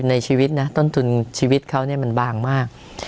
ในชีวิตต้นทุนชีวิตเขามันบางมาก